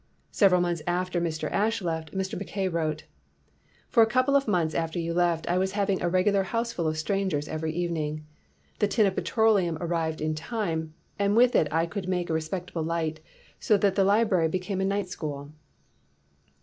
Several months after Mr. Ashe left, Mr. Mackay wrote: "For a couple of months after you left I was having a regular houseful of strangers every evening. The tin of petroleum ar rived in time, and with it I could make a respectable light, so that the library became a night school.